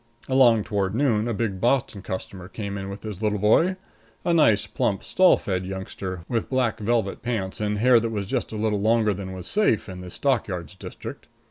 Along toward noon, a big Boston customer came in with his little boy a nice, plump, stall fed youngster, with black velvet pants and hair that was just a little longer than was safe in the stock yards district.